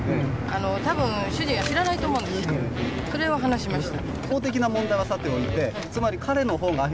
それを話しました。